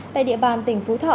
tại địa bàn tỉnh phú thọ